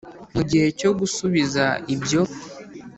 mu gihe cyo gusubiza ibyo